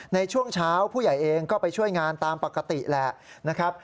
ในช่วงเช้าผู้ใหญ่เองก็ไปช่วยงานตามปกติแหละนะครับ